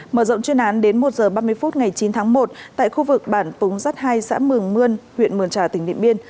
mở rộng chuyên án đến một h ba mươi phút ngày chín tháng một tại khu vực bản túng rắt hai xã mường mươn huyện mường trà tỉnh điện biên